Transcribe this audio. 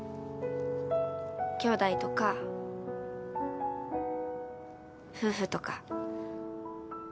きょうだいとか夫婦とか。